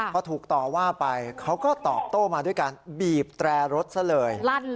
พอถูกต่อว่าไปเขาก็ตอบโต้มาด้วยการบีบแตรรถซะเลย